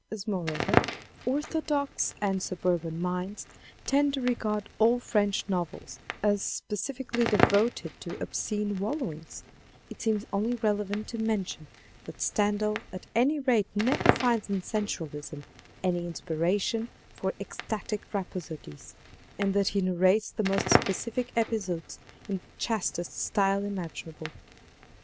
As moreover, orthodox and surburban minds tend to regard all French novels as specifically devoted to obscene wallowings, it seems only relevant to mention that Stendhal at any rate never finds in sensualism any inspiration for ecstatic rhapsodies, and that he narrates the most specific episodes in the chastest style imaginable.